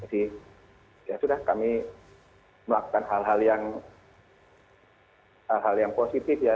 jadi ya sudah kami melakukan hal hal yang positif ya